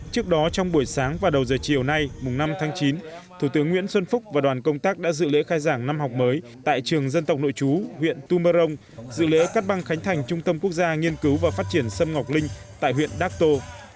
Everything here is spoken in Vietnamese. trước đó trong buổi sáng và đầu giờ chiều nay mùng năm tháng chín thủ tướng nguyễn xuân phúc và đoàn công tác đã dự lễ khai giảng năm học mới tại trường dân tộc nội chú huyện tum mơ rông dự lễ cắt băng khánh thành trung tâm quốc gia nghiên cứu và phát triển sâm ngọc linh tại huyện datto